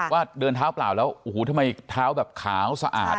ว่าเดินเท้าเปล่าแล้วโอ้โหทำไมเท้าแบบขาวสะอาด